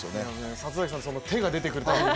里崎さん手が出てくるという。